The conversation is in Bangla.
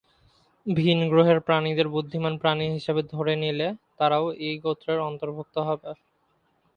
ভিনগ্রহের প্রাণীদের "বুদ্ধিমান প্রাণী" হিসাবে ধরে নিলে তারাও এই গোত্রের অন্তর্ভুক্ত হবে।